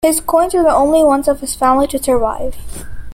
His coins are the only ones of his family to survive.